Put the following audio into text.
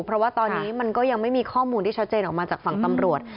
เพราะว่าตอนนี้มันก็ยังไม่มีข้อมูลที่ชัดเจนออกมาจากฝั่งตำรวจ